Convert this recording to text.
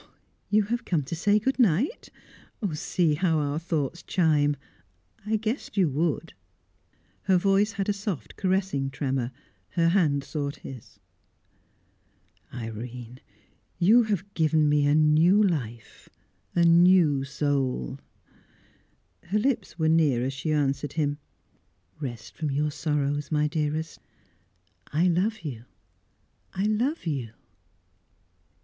"You have come to say good night? See how our thoughts chime; I guessed you would." Her voice had a soft, caressing tremor; her hand sought his. "Irene! You have given me a new life, a new soul!" Her lips were near as she answered him. "Rest from your sorrows, my dearest. I love you! I love you!"